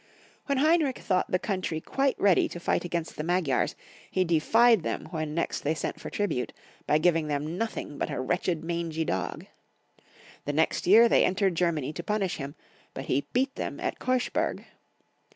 When Heinrich thought the coxmtry quite ready to fight against the Magyars, he defied them when next they sent for tribute, by giving them nothing Beinrich L 87 but a wretched mangy dog. The next year they entered Germany to punish him, but lie beat them at Keuschberg.